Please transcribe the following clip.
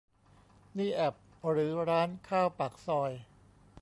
นี่แอปหรือร้านข้าวปากซอย